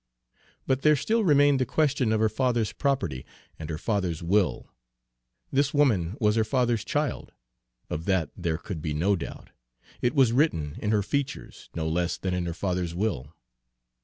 But there still remained the question of her father's property and her father's will. This woman was her father's child, of that there could be no doubt, it was written in her features no less than in her father's will.